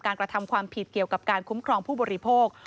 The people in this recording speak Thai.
กระทำความผิดเกี่ยวกับการคุ้มครองผู้บริโภค